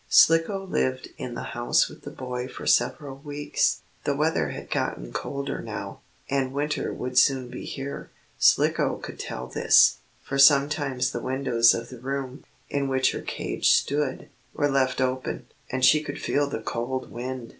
Slicko lived in the house with the boy for several weeks. The weather had gotten colder now, and winter would soon be here. Slicko could tell this, for sometimes the windows of the room, in which her cage stood, were left open, and she could feel the cold wind.